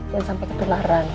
jangan sampai ketularan ya